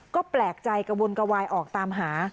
ก็แปลกใจกระวนกระวายออกตามหา